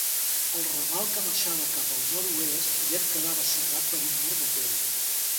El ramal que marxava cap al nord-oest aviat quedava cegat per un mur de pedra.